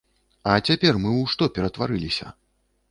А цяпер мы ў што ператварыліся?